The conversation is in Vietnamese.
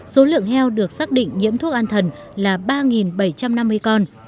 số lượng heo được xác định nhiễm thuốc an thần là ba bảy trăm năm mươi con